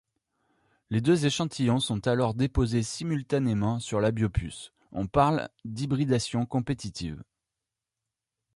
Les deux échantillons sont alors déposés simultanément sur la biopuce, on parle d'hybridation compétitive.